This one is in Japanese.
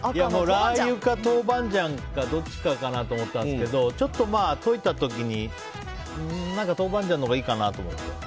ラー油か豆板醤かどっちかかと思ったんですけどちょっと溶いた時に豆板醤のほうがいいかなと思って。